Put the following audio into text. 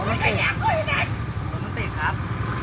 รถมันติด